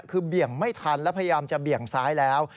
คือเบี่ยงไม่ทันแล้วพยายามจะเบี่ยงซ้ายแล้ว